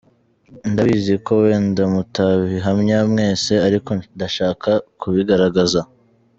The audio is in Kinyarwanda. Ndabizi ko wenda mutabihamya mwese ariko ndashaka kubigaragaza.